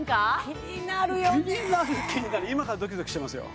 気になる気になる今からドキドキしてますよ